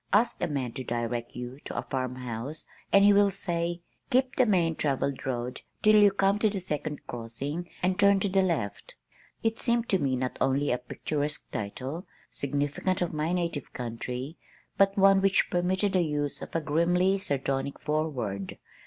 Ask a man to direct you to a farmhouse and he will say, "Keep the main travelled road till you come to the second crossing and turn to the left." It seemed to me not only a picturesque title, significant of my native country, but one which permitted the use of a grimly sardonic foreword.